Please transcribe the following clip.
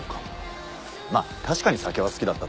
まあ確かに酒は好きだったと思うよ。